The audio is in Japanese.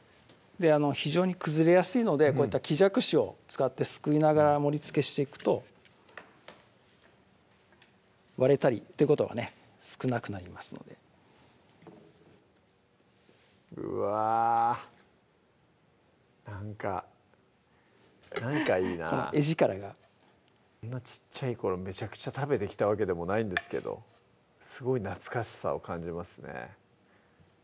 非常に崩れやすいのでこういった木じゃくしを使ってすくいながら盛りつけしていくと割れたりってことはね少なくなりますのでうわなんかなんかいいなぁ画力が小っちゃい頃めちゃくちゃ食べてきたわけでもないんですがすごい懐かしさを感じますね